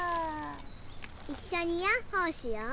いっしょにヤッホーしよう！